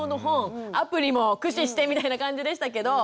アプリも駆使してみたいな感じでしたけど。